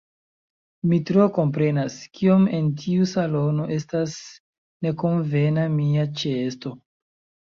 Mi tro komprenas, kiom en tiu salono estas nekonvena mia ĉeesto.